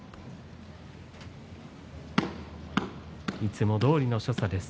いつもどおりの所作です